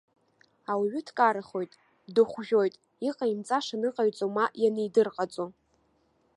Ауаҩы дкарахоит, дыхәжәоит иҟаимҵаша аныҟаиҵо ма ианидырҟаҵо.